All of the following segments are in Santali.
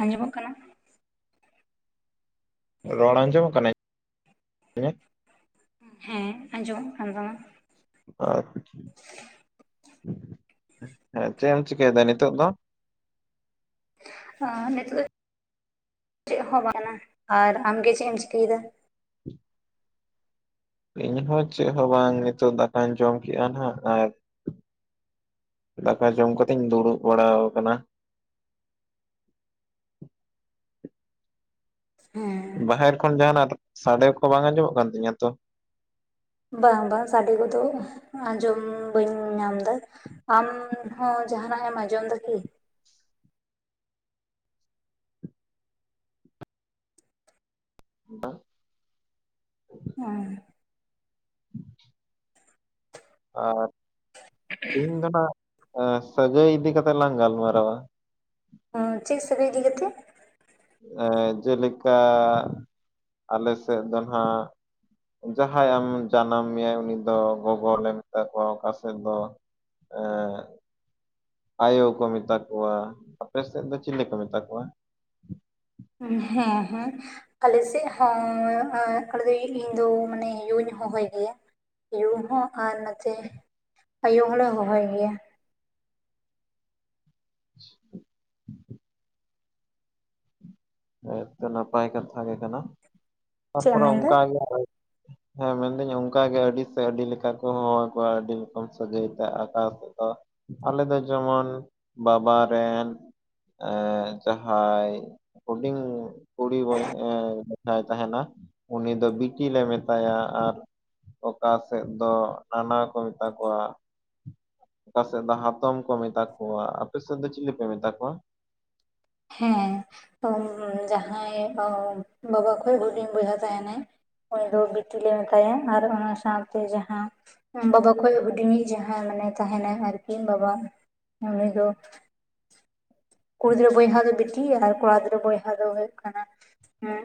ᱟᱸᱡᱚᱢᱚᱜ ᱠᱟᱱᱟ? ᱨᱚᱲ ᱟᱸᱡᱚᱢ ᱠᱟᱱᱟ ᱤᱧᱟᱹᱜ? ᱦᱮᱸ ᱟᱸᱡᱚᱢᱚᱜ ᱠᱟᱱ ᱛᱟᱢᱟ᱾ ᱟ [inaudible] ᱦᱮᱸ ᱪᱮᱫ ᱮᱢ ᱪᱤᱠᱟᱹᱭᱮᱫᱟ ᱱᱤᱛᱳᱜ ᱫᱚ? ᱚ ᱱᱤᱛᱚᱜ ᱪᱮᱫ ᱦᱚᱸ ᱵᱟᱝ [inaudible] ᱟᱨ ᱟᱢᱜᱮ ᱪᱮᱫ ᱮᱢ ᱪᱤᱠᱟᱹᱭᱮᱫᱟ? ᱤᱧ ᱦᱚᱸ ᱪᱮᱫ ᱦᱚᱸ ᱵᱟᱝ ᱱᱤᱛᱚᱜ ᱫᱟᱠᱟᱧ ᱡᱚᱢ ᱠᱮᱜ-ᱟ ᱱᱟᱦᱟᱸᱜ ᱟᱨ ᱫᱟᱠᱟ ᱡᱚᱢ ᱠᱟᱛᱮ ᱤᱧ ᱫᱩᱲᱩᱵ ᱵᱟᱲᱟ ᱟᱠᱟᱱᱟ᱾ ᱦᱮᱸ᱾ ᱵᱟᱦᱮᱨ ᱠᱷᱚᱱ ᱡᱟᱦᱟᱸᱱᱟᱜ ᱥᱟᱰᱮ ᱠᱚ ᱵᱟᱝ ᱟᱸᱡᱚᱢᱚᱜ ᱠᱟᱱ ᱛᱤᱧᱟᱹ ᱛᱚ? ᱵᱟᱝ ᱵᱟᱝ ᱥᱟᱰᱮ ᱠᱚᱫᱚ, ᱟᱸᱡᱚᱢ ᱵᱟᱹᱧ ᱧᱟᱢ ᱮᱫᱟ᱾ ᱟᱢ ᱦᱚᱸ ᱡᱟᱦᱟᱱᱟᱜ ᱮᱢ ᱟᱸᱡᱚᱢ ᱮᱫᱟ ᱠᱤ? ᱵᱟᱝ ᱾ ᱦᱮᱸ ᱾ [inaudible] ᱚ ᱛᱤᱦᱤᱧ ᱫᱚ ᱱᱟᱜ᱾ ᱮ ᱥᱟᱹᱜᱟᱹᱭ ᱤᱫᱤ ᱠᱟᱛᱮᱜ ᱞᱟᱝ ᱜᱟᱞᱢᱟᱨᱟᱣᱟ ᱾ ᱦᱩᱸ ᱪᱮᱫ ᱥᱟᱹᱜᱟᱹᱭ ᱤᱫᱤ ᱠᱟᱛᱮ? ᱮ ᱡᱮᱞᱮᱠᱟ, ᱟᱞᱮ ᱥᱮᱫ ᱫᱚ ᱱᱟᱜ, ᱡᱟᱦᱟᱸᱭ ᱟᱢᱮ ᱡᱟᱱᱟᱢ ᱢᱮᱭᱟᱭ ᱩᱱᱤ ᱫᱚ ᱜᱚᱜᱚᱞᱮ ᱢᱮᱛᱟ ᱠᱚᱣᱟ ᱚᱠᱟ ᱥᱮᱫ ᱮ ᱟᱭᱳ ᱠᱚ ᱢᱮᱛᱟ ᱠᱚᱣᱟ᱾ ᱟᱯᱮ ᱥᱮᱫ ᱫᱚ ᱪᱤᱞᱤ ᱠᱚ ᱢᱮᱛᱟ ᱠᱚᱣᱟ? ᱦᱩᱸ ᱦᱮᱸ᱾ ᱟᱞᱮ ᱥᱮᱫ ᱦᱚᱸ ᱟᱞᱮ ᱫᱚ ᱤᱧ ᱫᱚ ᱢᱟᱱᱮ ᱭᱩᱧ ᱦᱚᱦᱚᱭ ᱜᱮᱭᱟ᱾ ᱭᱩ ᱦᱚᱸ ᱟᱨ ᱱᱚᱛᱮ, ᱟᱭᱳ ᱦᱚᱸ ᱞᱮ ᱦᱚᱦᱚᱭ ᱜᱮᱭᱟ᱾ [inaudible] ᱟᱭᱩᱵ ᱛᱮ ᱱᱟᱯᱟᱭ ᱠᱟᱛᱷᱟ ᱜᱮ ᱠᱟᱱᱟ᱾ ᱪᱮᱫ ᱮᱢ ᱛᱟᱨᱯᱚᱨᱮ ᱢᱮᱱᱫᱟ ᱚᱱᱠᱟᱜᱮ ᱦᱮᱸ ᱢᱮᱱᱫᱟᱹᱧ ᱚᱱᱠᱟᱜᱮ ᱟᱹᱰᱤ ᱥᱮ ᱟᱹᱰᱤ ᱞᱮᱠᱟ ᱠᱚ ᱦᱚᱸᱦᱚᱸ ᱟᱠᱚᱣᱟ᱾ ᱟᱹᱰᱤ ᱨᱚᱠᱚᱢ ᱥᱟᱹᱜᱟᱹᱭᱛᱮ ᱟᱠᱟᱥ᱾ ᱟᱫᱚ, ᱟᱞᱮ ᱫᱚ ᱡᱮᱢᱚᱱ ᱵᱟᱵᱟ ᱨᱮᱱ᱾ ᱮᱸᱻ ᱡᱟᱦᱟᱸᱭ ᱦᱩᱰᱤᱧ ᱠᱩᱲᱤ ᱵ ᱮ ᱡᱟᱦᱟᱸᱭ ᱛᱟᱦᱮᱸᱱᱟ ᱩᱱᱤ ᱫᱚ ᱵᱤᱴᱤ ᱞᱮ ᱢᱮᱛᱟᱭᱟ᱾ ᱟᱨ ᱚᱠᱟ ᱥᱮᱫ ᱫᱚ ᱱᱟᱱᱟ ᱦᱚᱸ ᱠᱚ ᱢᱮᱛᱟ ᱠᱚᱣᱟ᱾ ᱚᱠᱟ ᱥᱮᱫ ᱫᱚ ᱦᱟᱛᱚᱢ ᱠᱚ ᱢᱮᱛᱟ ᱠᱚᱣᱟ᱾ ᱟᱯᱮ ᱥᱮᱫ ᱫᱚ ᱪᱤᱞᱤ ᱯᱮ ᱢᱮᱛᱟ ᱠᱚᱣᱟ? ᱦᱮᱸ ᱡᱟᱦᱟᱸᱭ ᱵᱟᱵᱟ ᱠᱷᱚᱡ ᱦᱩᱪᱤᱧ ᱵᱚᱭᱦᱟ ᱛᱟᱦᱮᱸᱱᱟᱭ ᱩᱱᱤ ᱫᱚ ᱵᱤᱴᱤᱞᱮ ᱢᱮᱛᱟᱭᱟ᱾ ᱟᱨ ᱚᱱᱟ ᱥᱟᱶᱛᱮ ᱡᱟᱦᱟᱸ, ᱵᱟᱵᱟ ᱠᱷᱚᱡ ᱦᱩᱰᱤᱧᱤᱡ ᱡᱟᱦᱟᱸᱭ ᱢᱟᱱᱮ ᱛᱟᱦᱮᱸᱱᱟᱭ ᱟᱹᱨᱠᱤ ᱵᱟᱵᱟ ᱩᱱᱤ ᱫᱚ᱾ ᱠᱩᱲᱤ ᱜᱤᱫᱽᱨᱟᱹ ᱵᱚᱭᱦᱟ ᱫᱚ ᱵᱤᱴᱤ ᱟᱨ ᱠᱚᱲᱟ ᱜᱤᱫᱽᱨᱟᱹ ᱵᱚᱭᱦᱟ ᱫᱚ ᱦᱩᱭᱩᱜ ᱠᱟᱱᱟ ᱩᱜ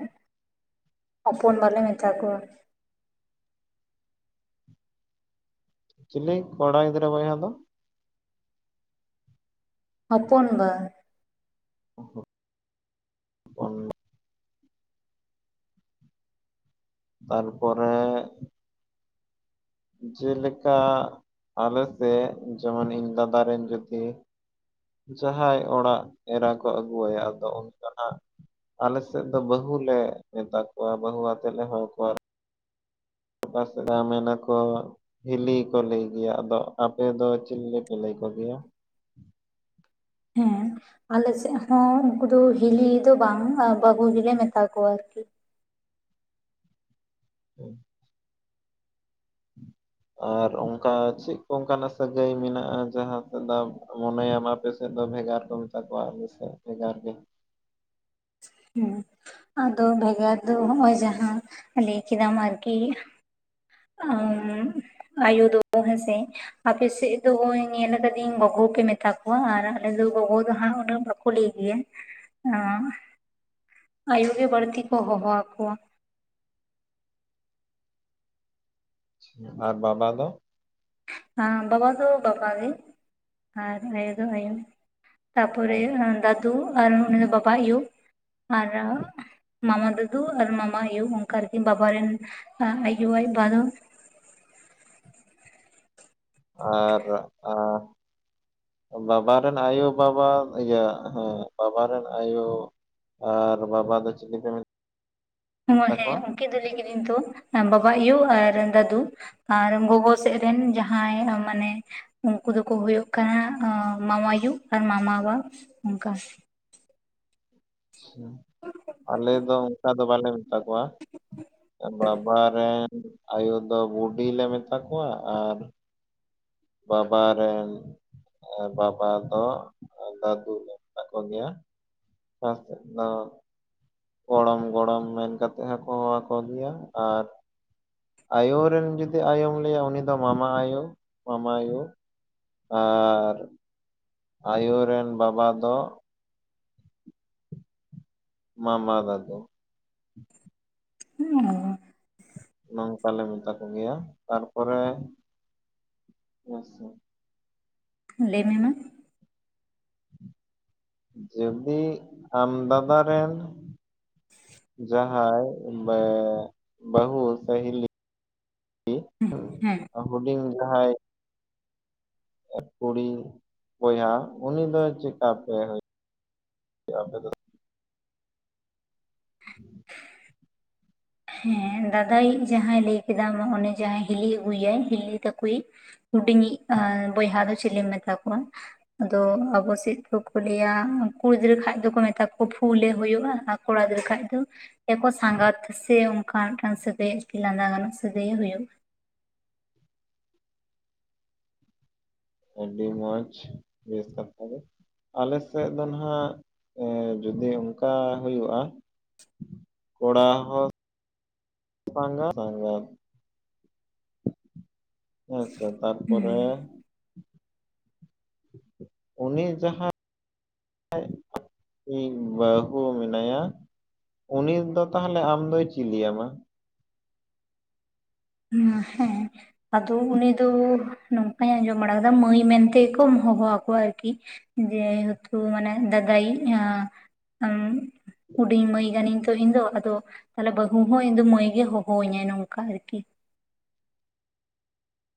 ᱦᱚᱯᱚᱱ ᱵᱟᱞᱮ ᱢᱮᱛᱟ ᱠᱚᱣᱟ᱾ ᱪᱤᱞᱤ ᱠᱚᱲᱟ ᱜᱤᱫᱽᱨᱟᱹ ᱵᱚᱭᱦᱟ ᱫᱚ? ᱦᱚᱯᱚᱱ ᱵᱟ᱾ [unintelligible] ᱛᱟᱨ ᱯᱚᱨᱮ᱾ ᱡᱮ ᱞᱮᱠᱟ ᱟᱞᱮᱥᱮᱫ ᱡᱮᱢᱚᱱ ᱤᱧ ᱫᱟᱫᱟ ᱨᱮᱱ ᱡᱩᱫᱤ ᱡᱟᱦᱟᱸᱭ ᱚᱲᱟᱜ ᱮᱨᱟ ᱠᱚ ᱟᱹᱜᱩᱣᱟᱭᱟ ᱟᱫᱚ ᱩᱱ ᱫᱚ ᱦᱟᱸᱜ, ᱟᱞᱮᱥᱮᱫ ᱫᱚ ᱵᱟᱹᱦᱩ ᱞᱮ ᱢᱮᱛᱟ ᱠᱚᱣᱟ᱾ ᱵᱟᱹᱦᱩ ᱟᱛᱮ ᱞᱮ ᱦᱚᱦᱚ ᱠᱚᱣᱟ, ᱵᱟᱥ ᱜᱟ ᱢᱮᱱᱟ ᱠᱚ, ᱦᱤᱞᱤ ᱠᱚ ᱞᱟᱹᱭ ᱜᱮᱭᱟ᱾ ᱟᱫᱚ ᱟᱯᱮ ᱫᱚ ᱪᱤᱞᱤᱯᱮ ᱞᱟᱹᱭ ᱠᱚ ᱜᱮᱭᱟ? ᱦᱮᱸ᱾ ᱟᱞᱮ ᱥᱮᱫ ᱦᱚᱸ ᱩᱱᱠᱩ ᱫᱚ ᱦᱤᱞᱤ ᱫᱚ ᱵᱟᱝ ᱵᱟᱹᱦᱩ ᱜᱮᱞᱮ ᱢᱮᱛᱟ ᱠᱚᱣᱟ ᱟᱹᱨᱠᱤ᱾ [unintelligible] [inaudible] ᱟᱨ ᱚᱱᱠᱟ ᱪᱮᱫ ᱠᱚ ᱚᱱᱠᱟᱱᱟᱜ ᱥᱟᱹᱜᱟᱹᱭ ᱢᱮᱱᱟᱜ-ᱟ? ᱡᱟᱦᱟᱸ ᱥᱮᱫᱟ ᱢᱚᱱᱮᱭᱟᱢ ᱟᱯᱮ ᱛᱮᱫ ᱫᱚ ᱵᱷᱮᱜᱟᱨ ᱠᱚ ᱢᱮᱛᱟ ᱠᱚᱣᱟ᱾ ᱟᱞᱮ ᱥᱮᱫ ᱵᱷᱮᱜᱟᱨ ᱜᱮ ᱦᱩᱸ ᱟᱫᱚ ᱵᱮᱜᱟᱫ ᱡᱟᱸᱦᱟ ᱞᱟᱹᱭ ᱠᱷᱤᱫᱟᱢ ᱟᱨᱠᱤ, ᱟ ᱟᱭᱳ ᱫᱚ ᱦᱮᱸᱥᱮ ᱟᱯᱮᱥᱮᱫ ᱫᱚ ᱦᱚᱭ ᱧᱮᱞ ᱟᱠᱟᱫᱤᱧ ᱜᱚᱜᱚ ᱯᱮ ᱢᱮᱛᱟ ᱠᱚᱣᱟ ᱟᱨ ᱟᱞᱮ ᱫᱚ ᱜᱚᱜᱚ ᱫᱚ ᱦᱟᱸᱜ ᱩᱱᱟᱜ ᱵᱟᱠᱼᱼ ᱠᱩᱲᱤ ᱜᱮ ᱦ ᱟᱭᱩ ᱜᱮ ᱵᱟᱹᱲᱛᱤ ᱠᱚ ᱦᱚᱦᱚ ᱟᱠᱚᱣᱟ ᱟᱨ ᱵᱟᱵᱟ ᱫᱚ ᱦ ᱵᱟᱵᱟ ᱫᱚ ᱵᱟᱵᱟ ᱜᱮ ᱟᱨ ᱟᱭᱳ ᱫᱚ ᱟᱭᱳ ᱛᱟᱨᱯᱚᱨᱮ ᱫᱟᱫᱩ ᱟᱨ ᱩᱱᱤ ᱫᱚ ᱵᱟᱵᱟ ᱟᱭᱳ ᱟᱨ, ᱢᱟᱢᱟ ᱫᱟᱫᱩ ᱟᱨ ᱢᱟᱢᱟ ᱟᱭᱳ ᱚᱱᱠᱟᱨᱜᱮ ᱵᱟᱵᱟᱟᱨᱮᱱ ᱟᱭᱳ ᱟᱡ ᱵᱟ ᱫᱚ, ᱟᱨ ᱟᱸ ᱵᱟᱵᱟ ᱨᱮᱱ ᱟᱭᱳᱵᱟᱵᱟ ᱤᱭᱟᱹ ᱦᱮᱸ ᱵᱟᱵᱟᱨᱮᱱ ᱟᱭᱳ, ᱟᱨ ᱵᱟᱵᱟ ᱫᱚ ᱪᱮᱞᱤ ᱯᱮ ᱢᱮᱛᱼᱼ ᱚ ᱦᱮᱸ ᱩᱱᱚᱱᱠᱤᱱ ᱫᱚ ᱞᱟᱹᱭ ᱠᱤᱧ ᱛᱚ ᱵᱟᱵᱟ ᱟᱭᱳ ᱟᱨ ᱫᱟᱫᱩ, ᱟᱨ ᱜᱚᱜᱚ ᱥᱮᱫ ᱨᱮᱱ ᱡᱟᱦᱟᱸᱭ ᱢᱟᱱᱮ ᱩᱱᱠᱩ ᱫᱚᱠᱚ ᱦᱩᱭᱩᱜ ᱠᱟᱱᱟ ᱢᱟᱢᱟ ᱭᱳ ᱟᱨ ᱢᱟᱢᱟ ᱵᱟ ᱚᱱᱠᱟ᱾ ᱟᱞᱮ ᱫᱚ ᱚᱱᱠᱟ ᱫᱚ ᱵᱟᱞᱮ ᱢᱮᱛᱟ ᱠᱚᱣᱟ᱾ ᱵᱟᱵᱟ ᱨᱮᱱ ᱟᱭᱳ ᱫᱚ ᱵᱩᱰᱤ ᱞᱮ ᱢᱮᱛᱟ ᱠᱚᱣᱟ ᱟᱨᱼᱼ ᱵᱟᱵᱟ ᱨᱮᱱ ᱟᱨ ᱵᱟᱵᱟ ᱫᱚ ᱫᱟᱫᱩ ᱞᱮ ᱢᱮᱛᱟ ᱠᱚ ᱜᱮᱭᱟ᱾ ᱠᱟ ᱥᱮᱫ ᱫᱚ ᱜᱚᱲᱚᱢ ᱜᱚᱲᱚᱢ ᱢᱮᱱ ᱠᱟᱛᱮᱫ ᱦᱚᱠᱚ ᱦᱚᱦᱚ ᱟᱠᱚ ᱜᱮᱭᱟ ᱟᱨ ᱟᱭᱳ ᱨᱮᱱ ᱡᱩᱫᱤ ᱟᱭᱳᱢ ᱞᱟᱹᱭᱟ ᱩᱱᱤ ᱫᱚ ᱢᱟᱢᱟ ᱟᱭᱳ ᱢᱟᱢᱟ ᱭᱳ ᱟᱨ ᱟᱭᱳ ᱨᱮᱱ ᱵᱟᱵᱟ ᱫᱚ ᱢᱟ ᱢᱟ ᱫᱟᱫᱩ ᱚ ᱱᱚᱝᱠᱟ ᱞᱮ ᱢᱮᱛᱟ ᱠᱚᱜᱮᱭᱟ ᱛᱟᱨᱯᱚᱨᱮ ᱤᱥᱼᱼ ᱞᱟᱹᱭ ᱢᱮ ᱢᱟ᱾ ᱡᱩᱫᱤ ᱟᱢ ᱫᱟᱫᱟ ᱨᱮᱱᱼᱼ ᱡᱟᱦᱟᱸᱭ [inaudible] ᱵᱟᱦᱩ ᱥᱮ ᱦᱤᱞᱤ ᱦᱮᱸ ᱦᱩᱰᱤᱧ ᱡᱟᱦᱟᱸᱭᱼᱼ ᱠᱩᱲᱤ ᱵᱚᱭᱦᱟ ᱩᱱᱤ ᱫᱚ ᱪᱮᱠᱟᱯᱮ ᱟᱯᱮ ᱦᱩᱭ ᱟᱯᱮ ᱫᱚᱼᱼ [unintelligible] ᱦᱮᱸ ᱫᱟᱫᱟᱭᱤᱡ ᱡᱟᱦᱟᱸᱭ ᱞᱟᱹᱭ ᱠᱮᱫᱟᱢ ᱚᱱᱮ ᱡᱟᱦᱟᱸᱭ ᱦᱤᱞᱤ ᱟᱹᱜᱩᱭᱟᱭ ᱦᱤᱞᱤ ᱛᱟᱠᱚᱭᱤᱡᱼᱼ ᱦᱩᱰᱤᱧᱤᱡ ᱵᱚᱭᱦᱟ ᱫᱚ ᱪᱤᱞᱤᱢ ᱢᱮᱛᱟ ᱠᱚᱣᱟ? ᱟᱫᱚ ᱟᱵᱚ ᱥᱮᱫ ᱠᱚᱠᱚ ᱞᱟᱹᱭᱟ ᱠᱩᱲᱤ ᱜᱤᱫᱽᱨᱟᱹ ᱠᱷᱟᱡ ᱫᱚᱠᱚ ᱢᱮᱛᱟ ᱠᱚᱣᱟ ᱯᱷᱩᱞᱮ ᱦᱩᱭᱩᱜᱼᱟᱼᱼ ᱠᱚᱲᱟ ᱜᱤᱫᱽᱨᱟᱹ ᱠᱷᱟᱡ ᱫᱚ ᱮᱠᱚ ᱥᱟᱸᱜᱟᱛᱼᱼ ᱥᱮ ᱚᱱᱠᱟ ᱚᱱᱠᱟᱱ ᱢᱤᱫ ᱴᱟᱝ ᱥᱟᱹᱜᱟᱹᱭ ᱞᱟᱸᱫᱟ ᱜᱟᱱᱚᱜ ᱥᱟᱹᱜᱟᱹᱭ ᱮ ᱦᱳᱭᱳᱜᱼᱟ᱾ ᱟᱹᱰᱤ ᱢᱚᱸᱡᱽ ᱵᱮᱥ ᱠᱟᱛᱷᱟᱜᱤ ᱟᱞᱮᱥᱮᱫ ᱫᱚ ᱱᱷᱟᱜ ᱮ ᱡᱩᱫᱤ ᱚᱱᱠᱟ ᱦᱩᱭᱩᱜᱼᱟ᱾ ᱠᱚᱲᱟ ᱦᱚᱸᱼᱼ ᱵᱟᱝᱟ ᱵᱟᱝᱟᱼᱼ ᱦᱮᱸ ᱛᱚ ᱛᱟᱨᱯᱚᱨᱮᱼᱼ ᱦᱩᱸ ᱩᱱᱤ ᱡᱟᱦᱟᱸᱼᱼ ᱠᱟᱡ ᱤᱧ ᱵᱟᱦᱩ ᱢᱮᱱᱟᱭᱟ᱾ ᱩᱱᱤ ᱫᱚ ᱛᱟᱦᱚᱞᱮ ᱟᱢ ᱫᱚᱭ ᱪᱤᱞᱤᱭᱟᱢᱟ? ᱦᱮᱸ᱾ ᱟᱫᱚ ᱩᱱᱤ ᱫᱚ ᱱᱚᱝᱠᱟᱧ ᱟᱸᱡᱚᱢ ᱵᱟᱲᱟ ᱟᱠᱟᱫᱟ ᱢᱟᱹᱭ ᱢᱮᱱᱛᱮᱜᱮᱠᱚ ᱦᱚᱦᱚ ᱟᱠᱚᱣᱟ ᱟᱨᱠᱤ᱾ ᱡᱮᱦᱮᱛᱩ ᱢᱟᱱᱮ ᱫᱟᱫᱟᱭ ᱮᱸ ᱦᱩᱰᱤᱧ ᱢᱟᱹᱭ ᱠᱟᱹᱱᱟᱹᱧ ᱛᱚ ᱤᱧ ᱫᱚ ᱟᱫᱚ ᱛᱟᱦᱞᱮ ᱵᱟᱹᱦᱩ ᱦᱚᱸ ᱤᱧ ᱫᱚ ᱢᱟᱹᱭ ᱜᱮ ᱦᱚᱦᱚᱣ ᱟᱹᱧᱟᱭ ᱱᱚᱝᱠᱟ ᱨᱤᱛᱤ᱾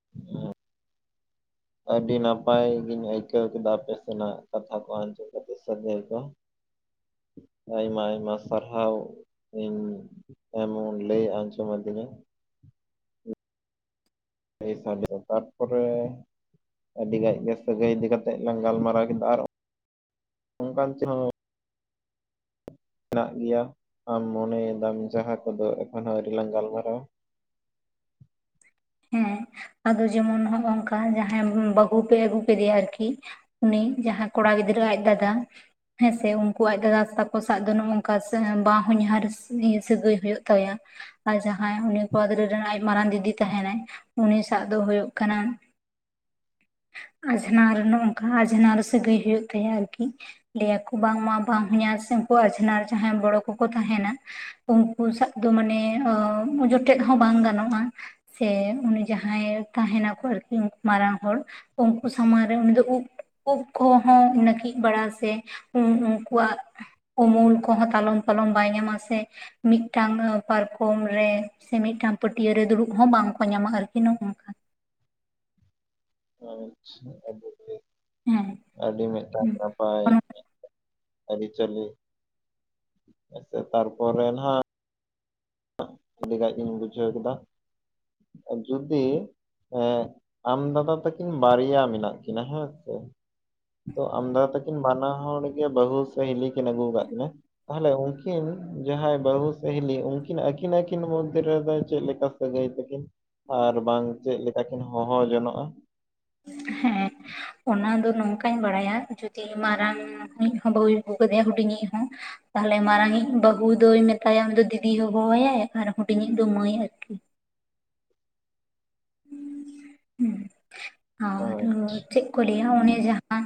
[inaudible] ᱟᱹᱰᱤ ᱱᱟᱯᱟᱭ ᱜᱤᱧ ᱟᱹᱭᱠᱟᱹᱣ ᱠᱮᱫᱟ ᱟᱯᱮ ᱥᱮᱱᱟᱜ ᱠᱟᱛᱷᱟ ᱠᱚ ᱟᱸᱡᱚᱢ ᱠᱟᱛᱮ ᱥᱟᱹᱜᱟᱹᱭ ᱠᱚ᱾ [inaudible] ᱟᱭᱢᱟ ᱟᱭᱢᱟ ᱥᱟᱨᱦᱟᱹᱣ ᱤᱧ ᱮᱢᱚᱱ ᱞᱟᱹᱭ ᱟᱡᱚᱢ ᱟᱫᱤᱧᱟ [inaudible] ᱜᱮ ᱛᱟᱨ ᱯᱚᱨᱮ ᱟᱹᱰᱤ ᱜᱟᱡ ᱜᱮ ᱥᱟᱹᱜᱟᱹᱭ ᱤᱫᱤ ᱠᱟᱛᱮᱫ ᱞᱟᱝ ᱜᱟᱞᱢᱟᱨᱟᱣ ᱠᱮᱫᱟ ᱟᱨᱚ ᱚᱱᱠᱟᱱ ᱪᱮᱫᱦᱚᱸ ᱦᱮᱱᱟᱜ ᱜᱮᱭᱟ ᱟᱢ ᱢᱚᱱᱮᱭᱮᱫᱟᱢ ᱡᱟᱦᱟᱸ ᱠᱚᱫᱚ ᱮᱠᱷᱚᱱᱟ ᱟᱹᱣᱨᱤ ᱞᱟᱝ ᱜᱟᱞᱢᱟᱨᱟᱣ-ᱟ ᱾ ᱦᱮᱸ ᱟᱫᱚ ᱡᱮᱢᱚᱱ ᱱᱚᱜ ᱚᱝᱠᱟ ᱡᱟᱦᱟᱸᱭ ᱵᱟᱹᱦᱩ ᱯᱮ ᱟᱹᱜᱩ ᱠᱮᱫᱮᱭᱟ ᱟᱨᱠᱤ ᱩᱱᱤ ᱡᱟᱦᱟᱸᱭ ᱠᱚᱲᱟ ᱜᱤᱫᱽᱨᱟᱹ ᱟᱡ ᱫᱟᱫᱟ ᱦᱮᱸᱥᱮ ᱩᱱᱠᱩ ᱟᱡ ᱫᱟᱫᱟ ᱛᱟᱠᱚ ᱥᱟᱶ ᱫᱚ ᱱᱚᱝᱠᱟ ᱵᱟᱦᱚᱱᱟᱨ ᱥᱟᱹᱜᱟᱹᱭ ᱦᱩᱭᱩᱜ ᱛᱟᱭᱟ᱾ ᱟᱨ ᱡᱟᱦᱟᱸᱭ ᱩᱱᱤ ᱠᱚᱲᱟ ᱜᱤᱫᱽᱨᱟᱹ ᱨᱮᱱ ᱟᱡ ᱢᱟᱨᱟᱝ ᱫᱤᱫᱤ ᱛᱟᱦᱮᱱᱟᱭ ᱩᱱᱤ ᱥᱟᱶ ᱫᱚ ᱦᱩᱭᱩᱜ ᱠᱟᱱᱟ ᱟᱡᱷᱟᱱᱟᱨ ᱥᱮ ᱱᱚᱝᱠᱟ ᱟᱡᱷᱟᱱᱟᱨ ᱥᱟᱹᱫᱟᱹᱭ ᱦᱩᱭᱩᱜ ᱛᱟᱭᱟ ᱟᱨᱠᱤ ᱞᱟᱹᱭᱟ ᱠᱚ ᱵᱟᱝᱢᱟ ᱵᱟᱧᱦᱟᱨ ᱥᱮ ᱩᱱᱠᱩ ᱟᱡᱷᱟᱱᱟᱨ ᱡᱟᱦᱟᱸᱭ ᱵᱚᱲᱚ ᱠᱚᱠᱚ ᱛᱟᱦᱮᱱᱟ ᱩᱱᱠᱩ ᱥᱟᱜ ᱫᱚ ᱢᱟᱱᱮ ᱡᱚᱴᱮᱫ ᱦᱚᱸ ᱵᱟᱝ ᱜᱟᱱᱚᱜᱼᱟ᱾ ᱥᱮ ᱩᱱᱤ ᱡᱟᱦᱟᱸᱭ ᱛᱟᱦᱮ ᱱᱟᱠᱚ ᱟᱨᱠᱤ ᱢᱟᱨᱟᱝ ᱦᱚᱲ ᱩᱱᱠᱩ ᱥᱟᱢᱟᱝ ᱨᱮ ᱩᱱᱤ ᱫᱚ ᱩᱵ ᱩᱵ ᱠᱚᱦᱚᱸ ᱱᱟᱹᱠᱤᱡ ᱵᱟᱲᱟ ᱥᱮ ᱩᱱᱠᱩᱣᱟᱜ ᱩᱢᱩᱞ ᱠᱚᱦᱚᱸ ᱛᱟᱞᱚᱢ ᱯᱟᱞᱚᱱ ᱵᱟᱭ ᱧᱟᱢᱟ ᱥᱮ᱾ ᱢᱤᱫᱴᱟᱝ ᱯᱟᱨᱠᱚᱢ ᱨᱮ ᱥᱮ ᱢᱤᱫᱴᱟᱝ ᱯᱟᱹᱴᱤᱭᱟᱹ ᱨᱮ ᱫᱩᱲᱩᱵ ᱦᱚᱸ ᱵᱟᱝ ᱠᱚ ᱧᱟᱢᱟ ᱟᱨᱠᱤ ᱱᱚᱝᱠᱟ ᱟᱪᱪᱷᱟ ᱟᱹᱰᱤ ᱜᱮ ᱦᱮᱸ ᱟᱹᱰᱤ ᱢᱤᱫᱴᱟᱝ ᱦᱩᱸ ᱱᱟᱯᱟᱭ ᱟᱹᱨᱤᱪᱟᱹᱞᱤ ᱮᱱᱛᱮ ᱛᱟᱨᱯᱚᱨᱮ ᱱᱟᱦᱟᱜ ᱟᱹᱰᱤ ᱜᱟᱱ ᱤᱧ ᱵᱩᱡᱷᱟᱹᱣ ᱠᱮᱫᱟ ᱟᱨ ᱡᱩᱫᱤ ᱦᱮᱸ ᱟᱢ ᱫᱟᱫᱟ ᱛᱟᱹᱠᱤᱱ ᱵᱟᱨᱭᱟ ᱢᱮᱱᱟᱜ ᱠᱤᱱᱟ ᱦᱳᱭ ᱥᱮ᱾ ᱛᱚ ᱟᱢᱫᱟ ᱛᱟᱹᱠᱤᱱ ᱵᱟᱱᱟ ᱦᱚᱲ ᱜᱮ ᱵᱟᱹᱦᱩ ᱥᱮ ᱦᱤᱞᱤ ᱠᱤᱱ ᱟᱹᱜᱩ ᱟᱠᱟᱫ ᱠᱤᱱᱟ ᱛᱟᱦᱚᱞᱮ ᱩᱱᱠᱤᱱ ᱡᱟᱦᱟᱸᱭ ᱵᱟᱹᱦᱩ ᱥᱮ ᱦᱞᱤᱤ ᱩᱱᱠᱤᱱ ᱟᱠᱤᱱ ᱟᱠᱤᱱ ᱢᱚᱫᱫᱷᱮ ᱨᱮᱫᱚ ᱪᱮᱫ ᱞᱮᱠᱟ ᱥᱟᱹᱜᱟᱹᱭ ᱛᱟᱹᱠᱤᱱ᱾ ᱟᱨ ᱵᱟᱝ ᱪᱮᱫ ᱞᱮᱠᱟ ᱠᱤᱱ ᱦᱚᱦᱚ ᱡᱚᱱᱚᱜᱼᱟ᱾ ᱦᱮᱸ ᱚᱱᱟ ᱫᱚ ᱱᱚᱝᱠᱟᱧ ᱵᱟᱲᱟᱭᱟ ᱡᱩᱫᱤ ᱢᱟᱨᱟᱝ ᱢᱤᱫ ᱦᱚᱸ ᱵᱟᱹᱦᱩ ᱟᱹᱜᱩ ᱠᱟᱫᱮᱭᱟ ᱦᱩᱰᱤᱧ ᱤᱡ ᱦᱚᱸ ᱛᱟᱦᱞᱮ ᱢᱟᱨᱟᱝ ᱤᱡ ᱵᱟᱹᱦᱩ ᱫᱚᱭ ᱢᱮᱛᱟᱭᱟ ᱩᱱᱤ ᱫᱚ ᱫᱤᱫᱤᱭ ᱦᱚᱦᱚᱣᱟᱭ ᱟᱨ ᱦᱩᱰᱤᱧ ᱤᱡ ᱫᱚ ᱢᱟᱹᱭ ᱟᱨᱠᱤ᱾ ᱦᱮᱸ ᱟᱪᱪᱷᱟ ᱟᱫᱚ ᱪᱮᱫ ᱠᱚ ᱞᱟᱹᱭᱟ ᱩᱱᱤ ᱡᱟᱦᱟᱸ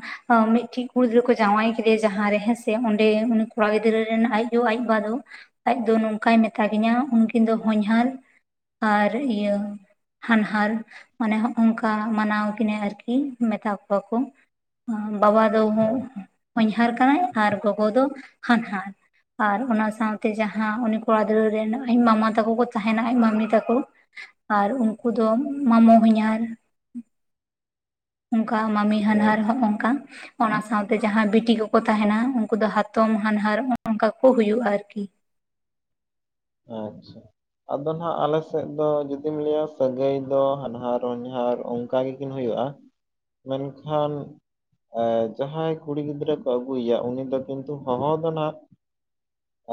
ᱢᱤᱫᱴᱮᱡ ᱠᱩᱲᱤ ᱜᱤᱫᱽᱨᱟᱹ ᱠᱚ ᱡᱟᱶᱟᱭ ᱠᱮᱫᱮᱭᱟ ᱡᱟᱦᱟᱸ ᱨᱮ ᱦᱮᱸ ᱥᱮ ᱚᱸᱰᱮ ᱩᱱᱤ ᱠᱚᱲᱟ ᱜᱤᱫᱽᱨᱟᱹ ᱨᱮᱱ ᱟᱡ ᱭᱩ ᱟᱡ ᱵᱟᱵᱟ ᱫᱚ ᱟᱡ ᱫᱚ ᱱᱚᱝᱠᱟᱭ ᱢᱮᱛᱟ ᱫᱤᱱᱟ. ᱩᱱᱠᱤᱱ ᱫᱚ ᱦᱚᱧᱦᱟᱹᱨ᱾ ᱟᱨ ᱤᱭᱟᱹ ᱦᱟᱱᱦᱟᱨ ᱢᱟᱱᱮ ᱦᱚᱜ ᱚᱝᱠᱟ ᱢᱟᱱᱟᱣ ᱠᱤᱱᱟᱹ ᱟᱨᱠᱤ ᱢᱮᱛᱟ ᱠᱚᱣᱟ ᱠᱚ ᱵᱟᱵᱟ ᱦᱚᱸᱧᱦᱟᱨ ᱠᱟᱱᱟᱭ ᱟᱨ ᱜᱚᱜᱚ ᱫᱚ ᱦᱟᱱᱦᱟᱨ᱾ ᱟᱨ ᱚᱱᱟ ᱥᱟᱶᱛᱮ ᱡᱟᱦᱟᱸ ᱩᱱᱤ ᱠᱚᱲᱟ ᱜᱤᱫᱽᱨᱟᱹ ᱨᱮᱱ ᱟᱡ ᱢᱟᱢᱟ ᱛᱟᱠᱚ ᱠᱚ ᱛᱟᱦᱮᱱᱟ ᱟᱡ ᱢᱟᱹᱢᱤ ᱛᱟᱠᱚ ᱟᱨ ᱩᱱᱠᱩ ᱫᱚ ᱢᱟᱢᱚ ᱦᱚᱧᱦᱟᱨ ᱚᱱᱠᱟ ᱢᱟᱢᱤ ᱦᱟᱱᱦᱟᱨ ᱦᱚᱜ ᱚᱱᱠᱟ᱾ ᱚᱱᱟ ᱥᱟᱶᱛᱮ ᱡᱟᱦᱟᱸᱭ ᱵᱤᱴᱤ ᱠᱚᱠᱚ ᱛᱟᱦᱮᱱᱟ ᱩᱱᱠᱩ ᱫᱚ ᱦᱟᱛᱚᱢ ᱦᱟᱱᱦᱟᱨ ᱱᱚᱜ ᱚᱱᱠᱟ ᱠᱚ ᱦᱩᱭᱩᱜᱼᱟ ᱟᱨᱠᱤ ᱾ ᱟᱪᱪᱷᱟ ᱾ ᱟᱫᱚ ᱱᱟᱦᱱᱟᱜ ᱟᱞᱮ ᱥᱮᱫ ᱫᱚ ᱡᱩᱫᱤᱢ ᱞᱟᱹᱭᱟ ᱥᱟᱹᱜᱟᱹᱭ ᱫᱚ ᱦᱟᱱᱦᱟᱨ ᱦᱚᱧᱦᱟᱨ ᱚᱱᱠᱟ ᱜᱮᱠᱤᱱ ᱦᱩᱭᱩᱜᱼᱟ, ᱢᱮᱱᱠᱷᱟᱱ ᱡᱟᱦᱟᱸᱭ ᱠᱩᱲᱤ ᱜᱤᱫᱽᱨᱟᱹ ᱠᱚ ᱟᱹᱜᱩᱭ ᱮᱭᱟ ᱩᱱᱤ ᱫᱚ ᱠᱤᱱᱛᱩ ᱦᱚᱦᱚ ᱫᱚ ᱱᱟᱜ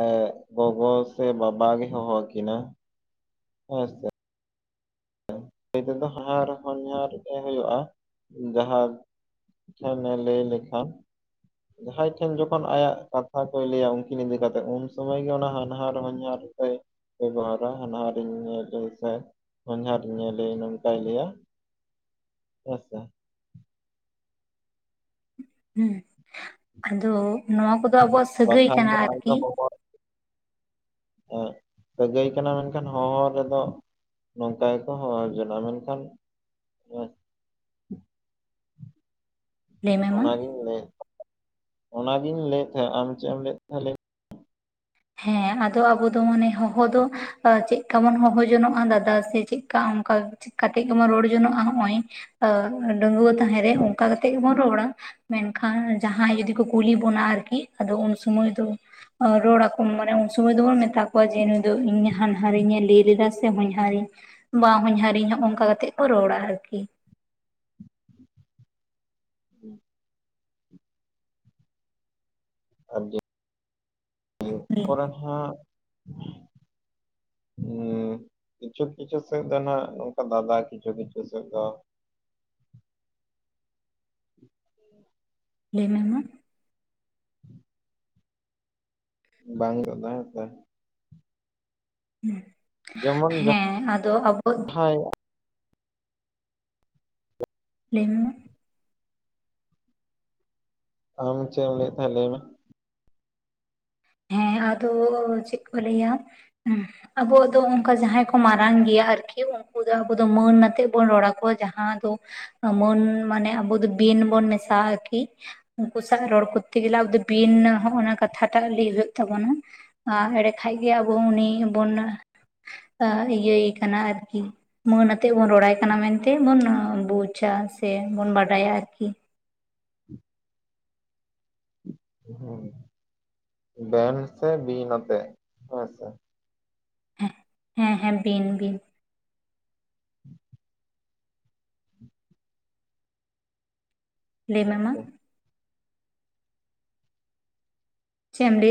ᱮ ᱜᱚᱜᱚ ᱥᱮ ᱵᱟᱵᱟ ᱜᱮ ᱦᱚᱦᱚ ᱠᱤᱱᱟ ᱦᱮᱸ ᱥᱮ᱾ ᱥᱟᱹᱜᱟᱹᱭ ᱛᱮᱫᱚ ᱦᱟᱱᱦᱟᱨ ᱦᱚᱧᱦᱟᱨ ᱜᱮ ᱦᱩᱭᱩᱜᱼᱟ, ᱡᱟᱦᱟᱸ ᱦᱮ ᱢᱮᱱ ᱞᱟᱹᱭ ᱞᱮᱠᱷᱟᱱ ᱡᱟᱦᱟᱸᱭ ᱴᱷᱮᱱ ᱡᱚᱠᱷᱚᱱ ᱟᱭᱟᱜ ᱠᱟᱛᱷᱟ ᱠᱚᱭ ᱞᱟᱹᱭᱟ ᱩᱱᱠᱤᱱ ᱤᱫᱤ ᱠᱟᱛᱮᱫ ᱩᱱ ᱥᱩᱢᱚᱭ ᱜᱮ ᱚᱱᱟ ᱦᱟᱱᱦᱟᱨ ᱦᱚᱧᱦᱟᱨ ᱚᱱᱠᱟᱭ ᱵᱮᱵᱷᱚᱦᱟᱨᱟ ᱦᱟᱱᱟᱨᱤᱧ ᱮ ᱞᱟᱹᱭ ᱫᱟ ᱦᱚᱧᱦᱟᱨ ᱾ [inaudible] ᱱᱚᱝᱠᱟᱭ ᱞᱟᱹᱭᱟ ᱦᱮᱥᱮ᱾ ᱦᱮᱸ ᱟᱫᱚ ᱱᱚᱣᱟ ᱠᱚᱫᱚ ᱟᱵᱚᱣᱟᱜ ᱥᱟᱹᱜᱟᱹᱭ ᱵᱟᱠᱷᱟᱱ ᱠᱟᱱᱟ ᱫᱚ ᱟᱡ ᱟᱨᱠᱤ ᱾ ᱦᱮ ᱥᱟᱹᱜᱟᱹᱭ ᱠᱟᱱᱟ ᱢᱮᱱᱠᱷᱟᱱ ᱦᱚᱦᱚ ᱨᱮᱫᱚ ᱱᱚᱝᱠᱟ ᱜᱮᱠᱚ ᱦᱚᱦᱚ ᱡᱚᱱᱚᱜ-ᱟ, ᱢᱮᱱᱠᱷᱟᱱ ᱦᱮᱸ, ᱞᱟᱹᱭ ᱢᱮ ᱢᱟ ᱚᱱᱟᱜᱮᱧ ᱞᱟᱹᱭᱮᱫ ᱛᱟᱦᱮᱫ ᱚᱱᱟᱜᱤᱧ ᱞᱟᱹᱭᱮᱫ ᱛᱟᱦᱮᱸᱫ ᱟᱢ ᱪᱮᱫ ᱮᱢ ᱞᱟᱹᱭ ᱛᱟᱦᱮᱸᱫ ᱞᱟᱹᱭ ᱢᱮ? ᱦᱮᱸ, ᱟᱫᱚ ᱟᱵᱚ ᱫᱚ ᱢᱟᱱᱮ ᱦᱚᱦᱚ ᱫᱚ ᱪᱮᱫᱠᱟ ᱵᱚᱱ ᱦᱚᱦᱚ ᱡᱚᱱᱚᱜᱼᱟ ᱫᱟᱫᱟ ᱥᱮ ᱪᱮᱫᱠᱟ ᱚᱱᱠᱟ ᱪᱮᱠᱟ ᱠᱟᱛᱮ ᱜᱮᱵᱚᱱ ᱨᱚᱲ ᱡᱚᱱᱚᱜᱼᱟ ᱱᱚᱜᱼᱚᱭ ᱰᱟᱹᱜᱩᱣᱟᱹ ᱛᱟᱦᱮᱸᱨᱮ ᱚᱱᱠᱟ ᱠᱟᱛᱮ ᱜᱮᱵᱚᱱ ᱨᱚᱲᱟ ᱾ ᱢᱮᱱ ᱠᱷᱟᱱ ᱡᱟᱦᱟᱸᱭ ᱡᱩᱫᱤ ᱠᱚ ᱠᱩᱞᱤ ᱵᱚᱱᱟ ᱟᱨᱠᱤ, ᱟᱫᱚ ᱩᱱᱥᱚᱢᱚᱭ ᱫᱚ ᱨᱚᱲ ᱟᱠᱚ ᱢᱟᱱᱮ ᱩᱱ ᱥᱚᱢᱚᱭ ᱫᱚᱵᱚᱱ ᱢᱮᱛᱟ ᱠᱚᱣᱟ ᱡᱮ ᱱᱩᱭ ᱫᱚ ᱤᱧ ᱦᱟᱱᱦᱟᱨᱤᱧ ᱮ ᱞᱟᱹᱭ ᱞᱮᱫᱟ ᱥᱮ ᱦᱚᱧᱦᱟᱨᱤᱧ᱾ ᱵᱟᱼᱦᱚᱧᱦᱟᱨᱤᱧ ᱦᱚᱜᱼᱚᱱᱠᱟ ᱠᱟᱛᱮ ᱠᱚ ᱨᱚᱲᱟ ᱟᱨᱠᱤ᱾ [unintelligible] [unintelligible] ᱤᱭᱟᱹ ᱯᱚᱨᱮ ᱦᱟᱸᱜ [unintelligible] ᱮᱸᱻ ᱠᱤᱪᱷᱩ ᱠᱤᱪᱷᱩ ᱥᱮᱫ ᱫᱚ ᱱᱟᱜ ᱱᱚᱝᱠᱟ ᱫᱟᱫᱟ ᱠᱤᱪᱷᱩ ᱠᱤᱪᱷᱩ ᱥᱮᱫ ᱫᱚ [unintelligible] ᱞᱟᱹᱭ ᱢᱮ ᱢᱟ? ᱵᱟᱝ [unintelligible] ᱡᱮᱢᱚᱱ ᱦᱩ ᱦᱮᱸ ᱟᱫᱚ ᱟᱵᱚ ᱡᱟᱦᱟᱸᱭ ᱞᱟᱹᱭ ᱢᱮ ᱢᱟ? ᱟᱢ ᱪᱮᱫ ᱮᱢ ᱞᱟᱹᱭᱮᱫ ᱛᱟᱦᱮᱸ ᱞᱟᱹᱭ ᱢᱮ? ᱦᱮᱸ, ᱟᱫᱚ ᱪᱮᱫ ᱠᱚ ᱞᱟᱹᱭᱟ? ᱟᱵᱚᱣᱟᱜ ᱫᱚ ᱚᱱᱠᱟ ᱡᱟᱦᱟᱸᱭ ᱠᱚ ᱢᱟᱨᱟᱝ ᱜᱮᱭᱟ ᱟᱨᱠᱤ, ᱩᱱᱠᱩ ᱫᱚ ᱟᱵᱚ ᱫᱚ ᱢᱟᱹᱱ ᱟᱛᱮ ᱵᱚᱱ ᱨᱚᱲ ᱟᱠᱚᱣᱟ, ᱡᱟᱦᱟᱸ ᱫᱚ ᱢᱟᱹᱱ ᱢᱟᱱᱮ ᱟᱵᱚ ᱫᱚ ᱵᱤᱱ ᱵᱚᱱ ᱢᱮᱥᱟᱜᱼᱟ ᱟᱨᱠᱤ ᱾ ᱩᱱᱠᱩ ᱥᱟᱶ ᱨᱚᱲ ᱠᱚᱨᱛᱮ ᱜᱮᱞᱮ ᱟᱵᱚ ᱫᱚ ᱵᱤᱱ ᱦᱚᱜᱱᱟ ᱠᱟᱛᱷᱟ ᱴᱟᱜ ᱞᱮᱭ ᱦᱩᱭᱩᱜ ᱛᱟᱵᱚᱱᱟ ᱟᱨ ᱮᱸᱰᱮ ᱠᱷᱟᱡ ᱜᱮ ᱟᱵᱚ ᱩᱱᱤ ᱵᱚᱱ ᱤᱭᱟᱹᱭ ᱮ ᱠᱟᱱᱟ ᱟᱨᱠᱤ ᱾ ᱢᱟᱹᱱ ᱟᱛᱮᱫ ᱵᱚᱱ ᱨᱚᱲᱟᱭ ᱠᱟᱱᱟ ᱢᱮᱱᱛᱮ ᱵᱚᱱ ᱵᱩᱡᱟ ᱥᱮᱵᱚᱱ ᱵᱟᱰᱟᱭᱟ ᱟᱨᱠᱤ ᱾ ᱦᱩᱸ, ᱵᱮᱱ ᱥᱮ ᱵᱤᱱ ᱟᱛᱮᱫ ᱦᱩᱭ ᱥᱮ? ᱮ, ᱦᱮᱸ ᱦᱮᱸ, ᱵᱤᱱ ᱵᱤᱱ᱾ ᱞᱟᱹᱭ ᱢᱮ ᱢᱟ? ᱪᱮᱢ ᱞᱟᱹᱭ?